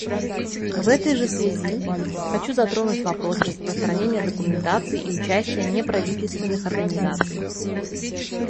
В этой же связи хочу затронуть вопрос распространения документации и участия неправительственных организаций.